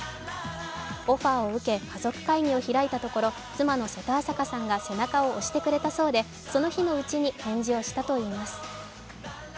オファーを受け、家族会議を開いたところ妻の瀬戸朝香さんが背中を押してくれたそうで、その日のうちに返事をしたといいます。